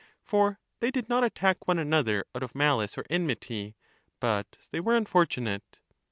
For they did not attack one another ,out of malice or enmity, but they were unfortunate.